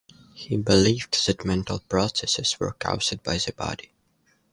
He believed that mental processes were caused by the body.